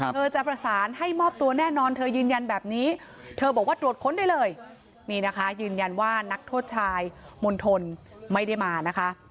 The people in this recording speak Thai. จะประสานให้มอบตัวแน่นอนเธอยืนยันแบบนี้เธอบอกว่าตรวจค้นได้เลยนี่นะคะยืนยันว่านักโทษชายมณฑลไม่ได้มานะคะ